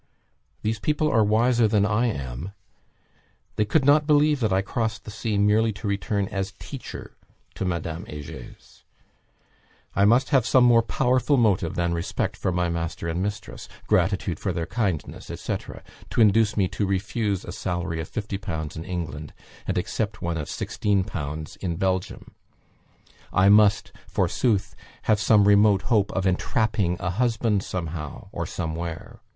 These people are wiser than I am. They could not believe that I crossed the sea merely to return as teacher to Madame Hegers. I must have some more powerful motive than respect for my master and mistress, gratitude for their kindness, &c., to induce me to refuse a salary of 50_l_. in England, and accept one of 16_l_. in Belgium. I must, forsooth, have some remote hope of entrapping a husband somehow, or somewhere.